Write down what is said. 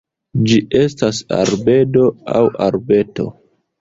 Ĝi estas arbedo aŭ arbeto.